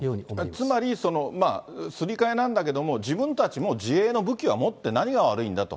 つまり、すり替えなんだけども、自分たちも自衛の武器を持って、何が悪いんだと。